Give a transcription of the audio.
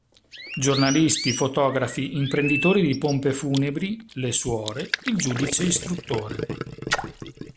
Giornalisti, fotografi, imprenditori di pompe funebri, le suore, il giudice istruttore.